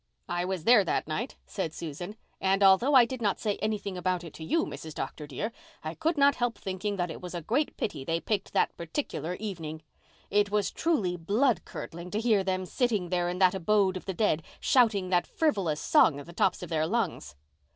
"I was there that night," said Susan, "and, although I did not say anything about it to you, Mrs. Dr. dear, I could not help thinking that it was a great pity they picked that particular evening. It was truly blood curdling to hear them sitting there in that abode of the dead, shouting that frivolous song at the tops of their lungs."